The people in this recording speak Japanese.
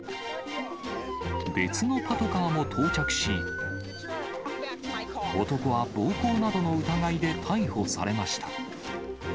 別のパトカーも到着し、男は暴行などの疑いで逮捕されました。